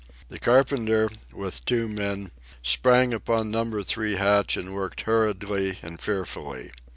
The carpenter, with two men, sprang upon Number Three hatch and worked hurriedly and fearfully.